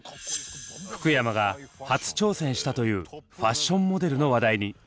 福山が初挑戦したというファッションモデルの話題に。